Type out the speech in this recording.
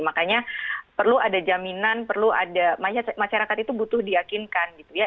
makanya perlu ada jaminan perlu ada masyarakat itu butuh diyakinkan gitu ya